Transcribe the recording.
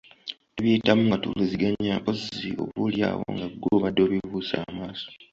Tubiyitamu nga tuwuliziganya mpozzi oboolyawo nga ggwe obadde obibuusa amaaso.